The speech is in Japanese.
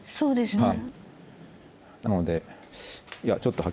はい。